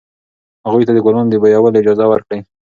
هغوی ته د ګلانو د بویولو اجازه ورکړئ.